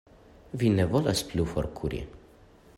Vi ne volas plu forkuri?